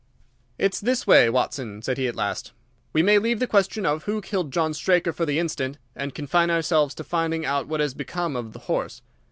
"It's this way, Watson," said he at last. "We may leave the question of who killed John Straker for the instant, and confine ourselves to finding out what has become of the horse.